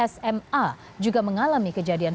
sma juga mengalami kejadian